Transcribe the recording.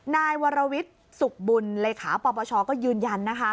นายวรวิทย์สุขบุญเลขาปปชก็ยืนยันนะคะ